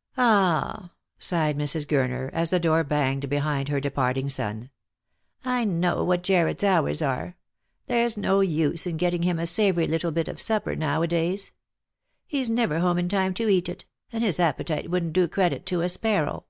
" Ah," sighed Mrs Gurner, as the door banged behind her departing son. " I know what Jarred's hours are. There's no use in getting him a savoury little bit of supper nowadays. He's never home in time to eat it, and his appetite wouldn't do credit to a sparrow."